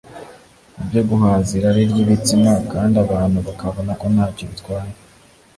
ibyo guhaza irari ry’ibitsina kandi abantu bakabona ko nta cyo bitwaye